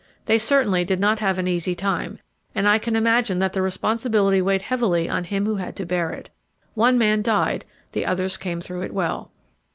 They certainly did not have an easy time, and I can imagine that the responsibility weighed heavily on him who had to bear it. One man died; the others came through it well.